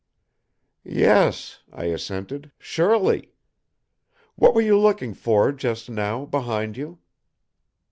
"Yes," I assented. "Surely! What were you looking for, just now, behind you?"